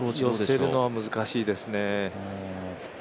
寄せるのは難しいですね。